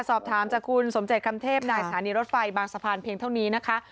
สอบถามจากคุณสมเจตคำเทพนายสถานีรถไฟบางสะพานเพียงเท่านี้นะคะ